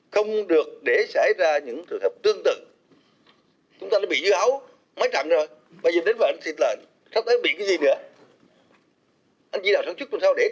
không được để xảy ra những thực tập tương tự